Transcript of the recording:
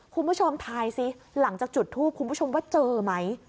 คุณผู้ชมทายสิหลังจากจุดทูปคุณผู้ชมว่าเจอไหม